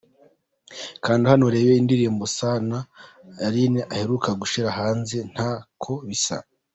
Kanda hano urebe indirimbo Sano Alyn aheruka gushyira hanze ‘Ntako Bisa’.